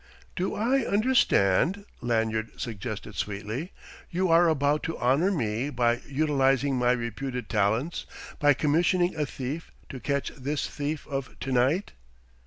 "Do I understand," Lanyard suggested sweetly, "you are about to honour me by utilizing my reputed talents, by commissioning a thief to catch this thief of to night?"